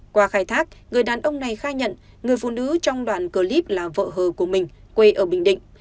qua khai thác người đàn ông này khai nhận người phụ nữ trong đoạn clip là vợ hờ của mình quê ở bình định